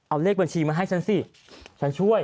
เอาเลขบัญชีมาให้ฉันสิฉันช่วย